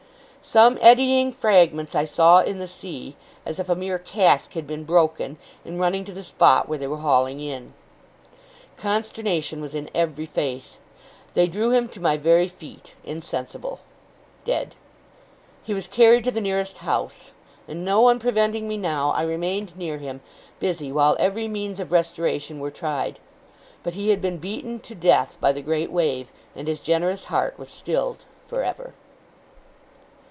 Some eddying fragments I saw in the sea, as if a mere cask had been broken, in running to the spot where they were hauling in. Consternation was in every face. They drew him to my very feet insensible dead. He was carried to the nearest house; and, no one preventing me now, I remained near him, busy, while every means of restoration were tried; but he had been beaten to death by the great wave, and his generous heart was stilled for ever.